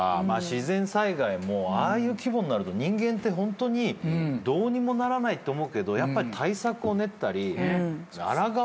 自然災害ああいう規模になると人間ってホントにどうにもならないと思うけどやっぱ対策を練ったりあらがおうとして。